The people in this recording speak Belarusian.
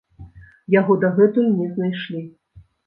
Яго дагэтуль не знайшлі.